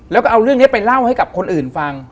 แล้วก็เอาเรื่องนี้ไปเล่าให้กับคนอื่นฟัง